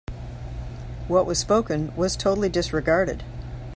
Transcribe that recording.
What was spoken was totally disregarded.